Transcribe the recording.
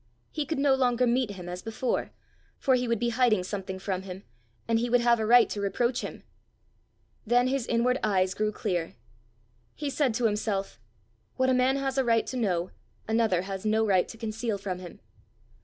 He could no longer meet him as before, for he would be hiding something from him, and he would have a right to reproach him! Then his inward eyes grew clear. He said to himself, "What a man has a right to know, another has no right to conceal from him.